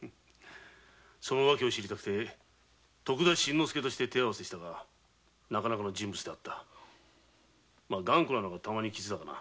訳を知りたくて徳田新之助として手合わせをしたがなかなかの人物であった頑固なのが玉に傷だがな。